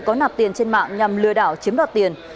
nhân đã có nạp tiền trên mạng nhằm lừa đảo chiếm đoạt tiền